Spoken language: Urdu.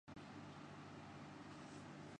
جسے اپنی منفردتہذیبی اورمذہبی شناخت پر اصرار تھا۔